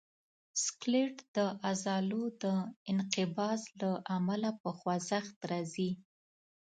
سکلیټ د عضلو د انقباض له امله په خوځښت راځي.